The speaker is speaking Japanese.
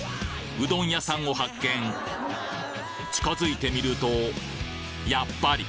うどん屋さんを発見近づいてみるとやっぱり！